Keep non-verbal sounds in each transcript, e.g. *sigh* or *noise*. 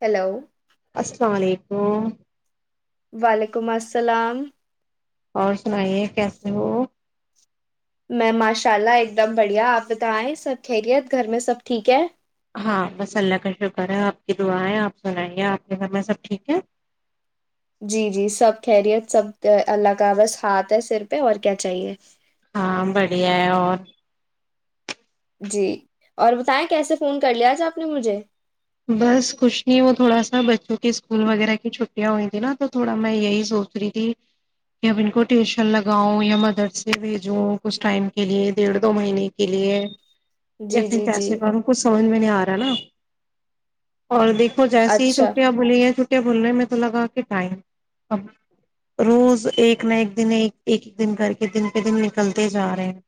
hello السلام علیکم وعلیکم السلام اور سنائیے کیسے وہ میں ماشاء اللہ ایک دم بڑھیا آپ بتائیں سب خیریت گھر میں سب ٹھیک ہے ہاں بس اللہ کا شکر ہے آپ کی دعائیں آپ سنائیے آپ کے گھر میں سب ٹھیک ہے جی جی سب خیریت سب اللہ کا بس ہاتھ ہے سر پہ اور کیا چاہیے ہاں بڑھیا ہے اور جی اور بتائیں کیسے فون کر لیا تھا آپ نے مجھے بس کچھ نہیں وہ تھوڑا سا بچوں کے اسکول وغیرہ کی چھٹیاں ہوئی تھیں نا تو تھوڑا میں یہی سوچ رہی تھی کہ اب ان کو ٹیوشن لگاؤں یا مدر سے بھیجوں کچھ ٹائم کے لیے ڈیڑھ دو مہینے کے لیے یا جی پھر جی جی کیسے باروں کو سمجھ میں نہیں آ کار ہے نا اور دیکھ ہو جیسی اچھا چھوٹیاں بولی ہیں چ کیا بول رہنے میں تو لگا کہ ٹائم اب روز ایک نہ ایک دن ایک ایک ایک دن کر کے دن پہ دن نکلتے جا رہے ہیں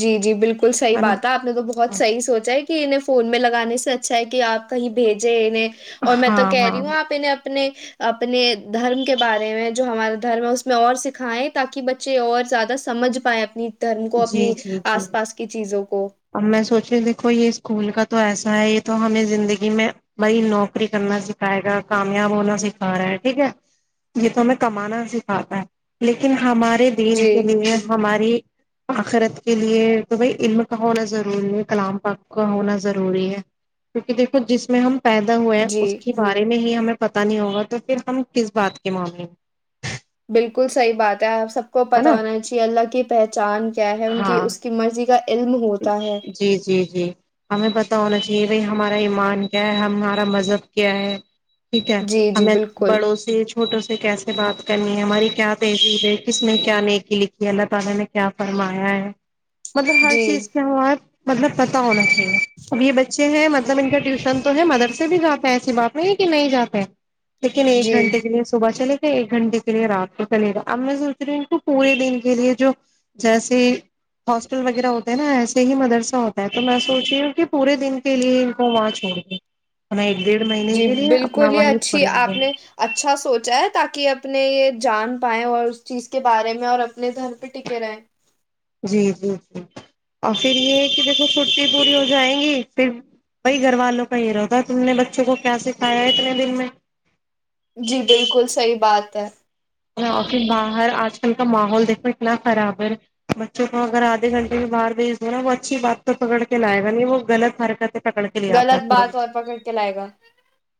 جی جی بالکل ل صحی ہے نا بات ہےپ نے تو بہت صح سوچا ہے کہ انہیں فون میں لگانے سے اچھا ہے کہ آپ کہیں بھیجے انہیں اور میں تو ہاں کہہ رہی ہاں ہوں آپنے اپنے اپنے دھرم کے بارے میں جو ہمارا دھرم ہے اس میں اور سکھائےیں تاکہ بچے اور زیادہ سمجھ پائیں اپنی دھرم کو جی اپنی جی آس پاس کی چیزوں کو اب میں سوچی دیکھو یہ اسکول کا تو ایسا ہے یہ تو ہمیں زندگی میں بائی نوکری کرنا سکھائے گا کامیاب ہونا سکھا رہا ہے ٹھیک ہے یہ تو ہمیں کمانا سکھاتا ہے لیکن ہمارے ے دن جی کے لیے ہماری آخرت کے لیے تو بھائی علم کا ہونا ضروری ہے کلام کا کا ہونا ضروری ہے کیونکہ دیکھو جس میں ہم پیدا ہوئے ہے جی اس کے بارے میں ہی ہمیں پت نہیں ہوگا تو پھر ہم کس بات کے معاملے بالکل صحیح بات ہے آپ سب کو ہے پتتا نا ہونا چاہے اللہ کی پہ چاند کیا ہے ان کی ہاں اس کی مرضی کا علم ہوتا ہے جی جی جی ہمیں پتا ہونا چاہ یہ بھائی ہمارا ایمان کیا ہے ہمارا مذہب کیا ہے ٹھیک ہے جی جی ہمیں بالکل بڑوسی *unintelligible* مطلب ہر جی چیز مطلب پتا ہونا چاہیے اب یہ بچے ہیں مطلب ان کا ٹیوشن تو ہے مدر سے بھی جاتا ہے ایسی بات میں یہ کہ نہیں جاتے ہے لیکن ایک جی گھنٹے کے لیے صبح چلے ایک گھنٹے کے لیے رات کو چلے گا اب میں سوچ رہی ہوں ان کو پورے دن کے لیے جو جیس ہاسٹل وغیرہ ہو نا ایسے ہی مدرسہ ہوتا ہے تو میں سوچی ہوں کہ پورے دن کے لیے ان کو وہاں چھوڑ کےا جی بالکل ہی اچھی آپ گے نے اچھا سوچا ہے تاکہ کہ اپنے یہ جان پائیں اور اس چیز کے بارے میں اور اپنے دھر پہ ٹکے رہیں جی جی جی اور پھر یہ ہے کہ دیکھو چھٹی پوری ہو جائیں گی پھر وہی گھر والوں کا یہ رہاتا تم نے بچوں کو کیا سکھایا ہے اتنے دن میں جی بالکل صحیح بات ت اور پھر باہر آج کل کا ماحول دیکھو اتنا خراب ہے بچوں کو اگر آدھے گھنٹے میں باہر بھیج دو نا وہ اچھی بات تو پکڑ کے لائے گا نہیں وہ غط حرکتیں پکڑ کے لے آتا ہے غلط بات ترنت اور پکڑ کے لائے گا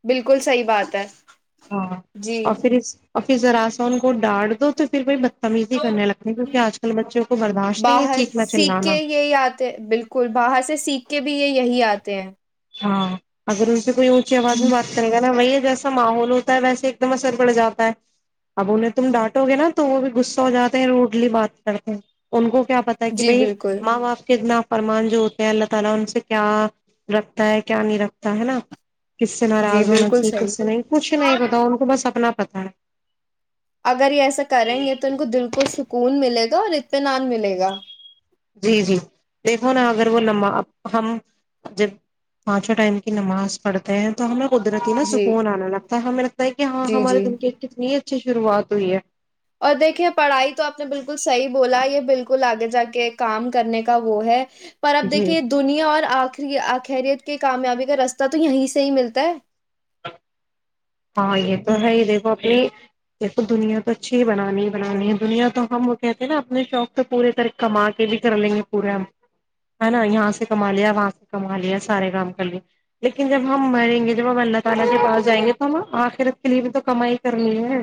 بالکل صحیح بات ہے ہاں جی اور پھر اور پھرراسون کوڈ ڈان دو تو صرف برداشت نہیں ہے باہر چیخنا سیکٹ چلانا کے یہی آتے بالکل باہر سے سیکھ کے بھی یہ یہی آتے ہیں ہاں اگر میں کوئی اونچی آواز میں بات کر گا جیسا ماحول ہوتا ہے ویسے ایک دم اثر پڑ جاتا ہے اب انہیں تم ڈانٹو گے نا تو وہ بھی غصہا ہو جاتے ہیں روڈلی بات کرتے ہیں ان کو کیا پتا ہے کہ جی بھائی بالکل ماں باپ کے انا جو ہوتے ہیں اللہ تعالی ان سے رکھتا ہے کیا نہیں رکھتا ہے نا کس سے جی ناراض ہونا بالکل چاہے صحیح کس سے نہیں کچھ نہیں پتا ان کو بس اپنا پتا ہ *inaudible* اگر یہ ایسا کریں گے تو ان کو دل کو سکون ملے گا اور اطینان ملے گا جی جی دیکھو نا اگر وہ نماز ہم جب پانچوں ٹائم کی نماز پڑھتے ہیں تو ہم لوگ قدرتی نہ جی سکون آا لگتا تو ہم نے *unintelligible* کہ ہاں جی ہمارے جی دن کے کتنے اچ شروعات ہوئی ہے اور دیکھیے پڑھائی تو آپ نے بالکل صحیح بولا یہ بالکل آگے جا کے کام کرنے کا وہ ہے پر اب جی دیکھیے دنیا اور آخری آخری کے کامیابی کا رستہ تو یہیں سے ہی ملتا ہے ہے یہ دیکھو اپنے دیکھو دنیا تو اچھی بنانی بنانی ہے دنیا تو ہم وہ کہتے ہیں نا اپنے شوق پہ پوری طرح کما کے بھی کر لیں گے پورے جہاں سے کما لیا وہاں سے کما لیا سارے کام لیکن جب ہم مریں گے جب ہم اللہ تعالی کے پاس جائیں گے آخرت کے لیے بھی تو کمائی کرنی ہے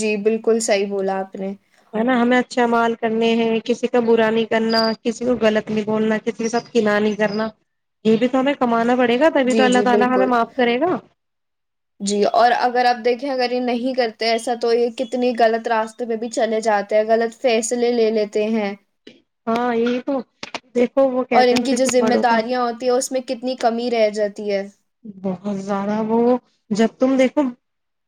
جی بالکل صحیح بولا آپ نے ہے نا ہمیں اچھا مال کرنے ہیں کسی کا برا نہیں کرنا کسی کو غلط نہیں بولنا کسی کے ساتھ کنا نہیں کرنا یہ بھی تو ہمیں کمانا پڑتا ے گا تبھی تو جی جی اللہ تایں بالکل معاف کرے گا جی اور اگر آپ دیکھیں اگر یہ نہیں کرتے ایسا تو یہ کتنی غلط راستے میں بھی چلے جاتے ہیں غلط فیصلے لے لیتے ہیں ہاں یہی تو دیکھو وہ اور کہتے ہیں ان نا کی جو دیکھو ذمہ بڑوں کا داریاں ہوتی ہیں اس میں کتنی کمی رہ جاتی تی ہے *unintelligible* بہت زیادہ وہ جب تم دیکھو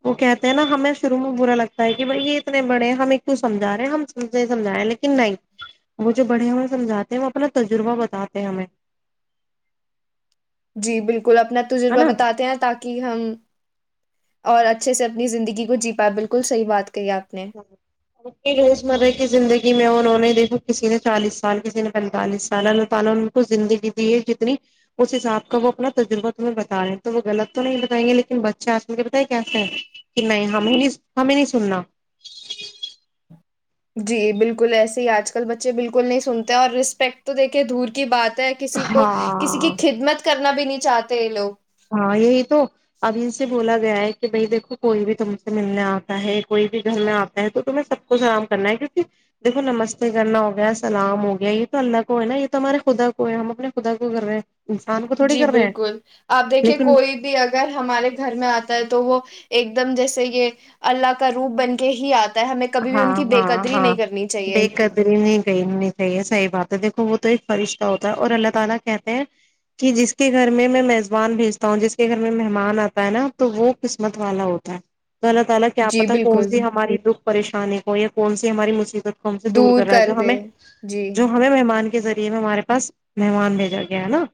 وہ کہتے ہیں نا ہمیں شروع میں برا لگتا ہے کہ بھائی یہ اتنے بڑے ہیں ہم ایک کو سمھا رہے ہیں ہم نہیں سمجھا رہے ہیں لیکن نہیں وہ جو بڑے ہمیں سمجھاتے ہیں وہ اپنا تجربہ بتاتے ہمیں جی بالکل کل اپنا ہے تجربہ نا بتاتے ہیں تاکہ ہم اور اچھے سے اپنی زندگی کو جی پا بالکل صحی بات کر ہ روز مرہ کی زندگی میں اور کسی نے چالیس سال کسی نے پیٹلس سالہ نو کو زندگی دی ہے کتنی اس حساب کا وہ اپنا تجربہ تمہیں بتا رہے تھے وہ جنت کو نہیں بتائیں گے لیکن بچہ اتی یہ بتائیں کیسا ہے کہ نہیں ہم ہی نہیں ہمیں نہیں سننا جی بالکل ایسے ہی آج کل بچے بالکل نہیں سنتے اور رسپیکٹ تو دیکھے دور کی بات ہے کسی کو ہاں کسی کی خدمت کرنا بھی نہیں چاہتے ت لوگ *unintelligible* ہاں یہی تو ابھی سے بولا گیا ہے کہ بھائی دیکھو کوئی بھی تم سے ملنے آتا ہے کوئی بھی گھر میں آتا ہے تو تمہیں سب کو سلام کرنا ہے کیونکہ دیکھو نمستے کرنا ہوگیا سلام ہو گیا یہ تو اللہ کو ہے نا یہ تو ہمارے خدا کو ہے ہم اپنے خدا کو کر رہے ہیں انسان کو تھوڑی جی کر رہے ہیں بالکل آپ دیکھیے لیکن کوئی بھی اگر ہمارے گھر میں آتا ہے تو وہ ایک دم جیسے یہ اللہ کا روپ بن کے ہی آتا ہے ہمیں کبھی بھی ان ہاں کی بے ہاں قدری ہاں نہیں کرنی بے چاہیے قدری نہیں گئی نہیں کہئی ہے سحی بات ہ *inaudible* غلط ہےلہ کیا جی پتا کون بالکل سی ہماری د کو یہ کون سی ہماری مصیبت ہم سے دور کر رہا ہے جو ہمیں جی جو ہمیں مہمان کے ذریعے میں ہمارے پاس مہمان بھیجا گیا نا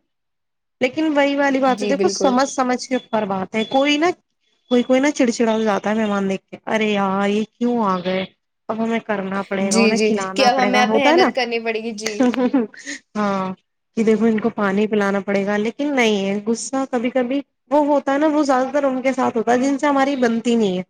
لیکن لیکن وہی والی جی باتیںیکھو بالکل سمجھ سمجھ کے اور بات ہے کوئی نا کوئی کوئی نا چڑچڑاو جاتا ہے مہمان دیکھ کے ارے یار یہ کیوں آ گئے *unintelligible* اب ہمیں کرنا پڑے گا جی انہیں جی کہ کھلانا اب پڑے ہمیں گا اب ہوتا ہے نا محنت کرنی پڑے گی جی ہاں کہ دیکھو ان کو پانی پلانا پڑے گا لیکن نہیں ہے غصہ کبھی کبھی وہ ہوتا ہے نا وہ زیادہ تر ان کے ساتھ ہوتا ہے جن سے ہماری بنتی نہیں ہے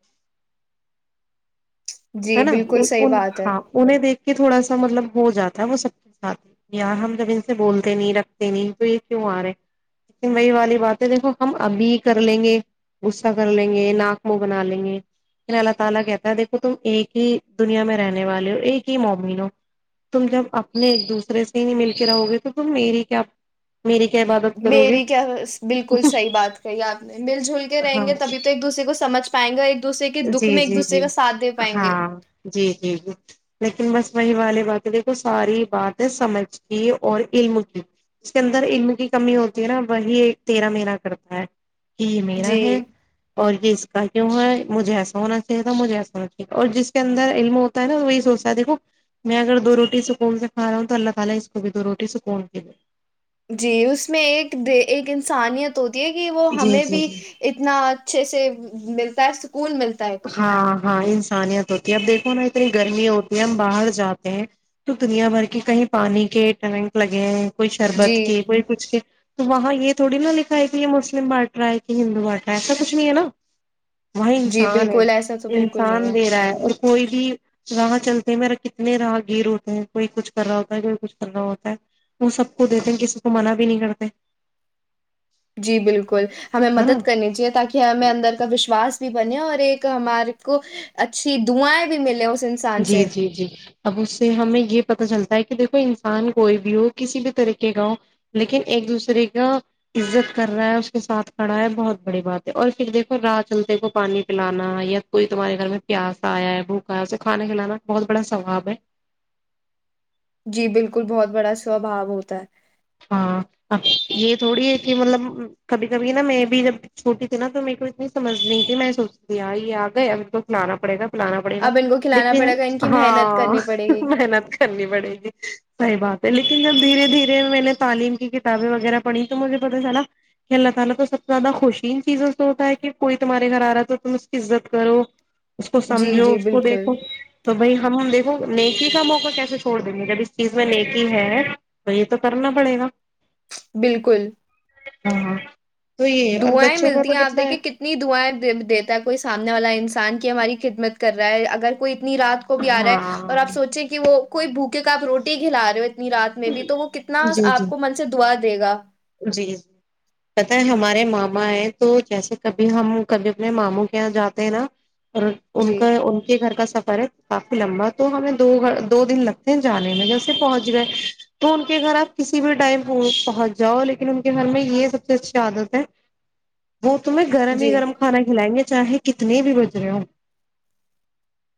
ہے جی نا بالکل صحیح ان بات ہے ہاں انہیں دیکھ کے تھوڑا سا ہ تم ایک ہی دنیا میں رہنے والے ہو ایک ہی مومن ہو تم جب اپنے ایک دوسرے سے نہیں مل کے رہو گے تو تم میری کیا میری کیا عبادت کرو گے میری کیا بالکل صحیح بات کہی آپ نے مل جل کے رہیں ہاں گے تبھی تو ایک دوسے کو سمجھ پائیں گے اور ایک دوسرے کے دکھ جی میں ایک جی دوسے جی کا ساتھ دے پائیں گے ہاں جی جی جی لیکن بس وہی والی باتیں دیکھو ساری باتیں سمجھ کی اور علم کی اس کے اندر علم کی کمی ہوتی ہے نا وہی ایک تیرا میرا کرتا ہے کہ یہ میرا جی ہے اور یہ اس کا کیوں ہے مجھے ایسانا چاہیے تھا مجھے ایسانا ہ جی اس میں ایک ایک انسانیت ہوتی کہ وہ جی ہمیں جی بھی جی اتنا اچھے سے ملتا دس ہاں ہاں انسانیت ہوتی ہے اب دیکھو نا اتنی گرمی ہوتی ہم باہر جاتے ہیں تو دنیا بھر کے کہیں پانی کے ٹینک لگے ہیں کوئی جی شربت کے کوئی کچھ کے تو وہاں یہ تھوڑی نا لکھا ہے کہ یہ مسلم بانٹ رہا ہے کہ ہندو بانٹ رہا ہے ایسا کچھ نہیں ہے نا وہیں جی انسان ہے بالکل ایسا تو بالکل انسان نہیں دے رہا ہے اور کوئی بھی راہ چلتے میرا کتنے راہ گیر ہوتے ہیں کوئی کچھ کر رہا ہوتا ہے کوئی کچھ کر رہا ہوتا ہے وہ سب کو دیتے ہیں کسی کو منع بھی نہیں کرتے جی بالکل ہمیں ہے نا مدد کرنی چاہیے تاکہ ہمیں اندر کا وشواس بھی بنے اور ایک ہمارے کو اچھی دعائیں بھی ملے اس انسان جی سے جی جی اب اس سے ہمیں یہ پت چلتا ہے کہ دیکھو انسان کوئی بھی ہو کسی بھی طریقے کا ہو لیکن ایک دوسرے کا عزت کر رہا ہے اس کے ساتھ کھڑا ہے بہت بڑی بات ہے اور پھر دیکھو رات چلتے کو پانی پلانا یا کوئی تمہارے گھر میں پیاس آیا ہے بھوکا اس کھانا کھلانا بہت بڑا سثواب ہے جی بالکل بہت بڑا سوباؤ ہوتا ہے ہاں اب یہ تھوڑی ہے کہ مطلب کبھی کبھی نا میں بھی جب چھوٹی تھی نا تو میرے کو اتنی سمجھ نہیں تھی میں سوچتی ہ یہ آ گیا میر کو سنانا پڑے گا بلانا پڑے گا اب ان کو کھلانا لیکن پڑے گا ان کی محنت ہاں کرنی پڑے گی محنت کرنی پڑے گی صحیح بات لیکن جب دھیرے دھیرے میں نے ہ اس کو جی سمجھو جی اس کو بالکل دیکھو تو بھائی ہم ہم دیکھ وہ نیکی کا موقع کیسے چھوڑ دیں گے جب اس چیز میں نیکی ہے تو یہ تو کرنا ہمڑے گا بالکل ہاں ہاں تو یہ اور دعائیں بچوں کا ملتی تو ہیں آپ پتلا ہے دیکھیے کتنی دعائیں دیتا ہے کوئی سامنے والا انسان سان کی ہماری خدمت کر رہا ہے اگر کوئی رات کو بھی آ رہا ہے اور ہاں آپ سوچیں کہ وہ کوئی بوک کیونک آپ روٹی کھلا رہ ہو نی رات میں بھی جی تو وہ کتنا جی آپ کو من سے دعا دے گا جی جی پت ہے ہمارے ماما ہے تو جیسے کبھی ہم کبھی اپنے ماموں کے یہاں جاتے ہیں نا اور ان جی کا ان کے گھر کا سب کافی لمبا تو ہمیں دو گ دو دن لگتے ہیں جانے میں جیسے پہنچ گئے تو ان کے گھر آپ کسی بھی ٹائم پہنچ جاؤ لیکن ان کے گھر میں یہ سب سے اچھی عادت ہے وہ تمہیں گرم ہی جی گرم کھان کھلائیں گے چاہے کتنے بھی گزرے ہ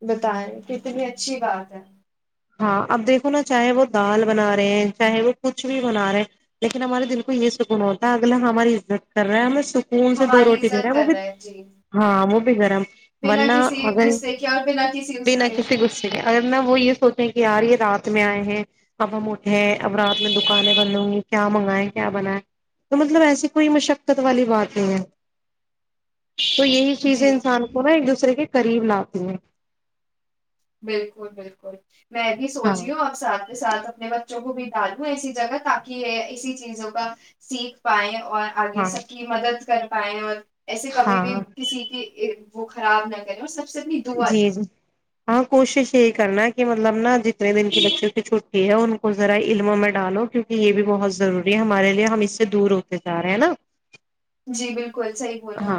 بتائیں کتنی اچھی بات ہے ہاں اب دیکھو نا چاہے وہ دال بنا رہے ہیں چاہے وہ کچھ بھی بنا رہے ہیں لیکن ہمارے دل کو یہ سکون ہوتا ہے اگلا ہماری عزت کر رہا ہے ہمیں سک اون سے دو ہماری روٹی دے رہا عزت ہے وہ کر بھی رہے ہیں جی ہاں وہ بھی گرم بنا ورنہ کسی اگر غصے کے اور بنا کسی اس بنا کے کسی غصے کے اگر نہ وہ یہ سوچ کہیار یہ رات میں آئے ہیں اب ہم اٹھے ہیں اب رات میں دکانیں بند ہوں گی کیا منگائےیں کیا بنیں تو مطلب ایسی کوئی مشقت والی بات نہیں ہے تو یہی چیزیں جی انسان کو نا ایک دوسرے کے کر قریب لاتتی ہیں بالکل بالکل میں بھی ہاں سوچی ہوں آپ ساتھ ہی ساتھ اپنے ب بچوں کو بھی ڈالوں ایسی جگہ تاکہ اسی چیزوں کا سیکھ پائائے اور آگے ہاں سب کی مدد کر پائے اور ایسے کبھی بھی ہاں کسی کی وہ خراب نہ کرے اتنی دعا جی دیں جی ہاں کوشش یہی کرنا ہے کہ مطلب نا جتنے دن کی بچوں کی چھٹی ہے ان کو ذرا علموں میں ڈالو کیونکہ یہ بھی بہت ضروری ہے ہمارے لیے ہم اس سے دور ہوتے جا رہے ہیں نا جی بالکل صحیح بولا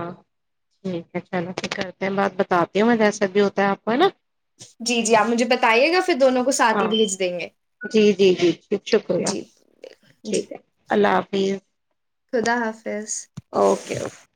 لا کرتے ہیں بات بتاات میں ج ایسا بھی ہوتا ہے آپ کا نا جی جی آپ مجھے بتائیے گا پھر دونوں کو ساتھ ہی ہاں بھیج دیں گے جی جی جی ٹھیک شکریہ جی جی ٹھیک ہے اللہ حافظ خدا حافظ اوکے اوکے